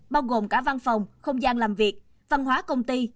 bao gồm cả văn phòng không gian làm việc văn hóa công ty